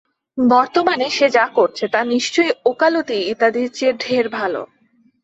বর্তমানে সে যা করছে, তা নিশ্চয়ই ওকালতি ইত্যাদির চেয়ে ঢের ভাল।